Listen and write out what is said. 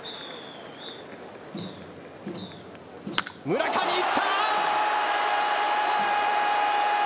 村上いった！